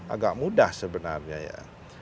agak mudah sebenarnya ya